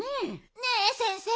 ねえ先生